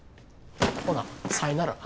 ほなさいなら。